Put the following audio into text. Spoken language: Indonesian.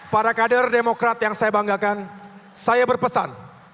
para kader demokrat yang saya banggakan saya berpesan